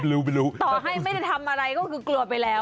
ต่อให้ไม่ได้ทำอะไรก็คือกลัวไปแล้ว